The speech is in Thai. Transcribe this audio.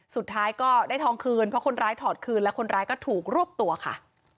สุดท้ายก็ได้ทองคืนเพราะคนร้ายถอดคืนแล้วคนร้ายก็ถูกรวบตัวค่ะ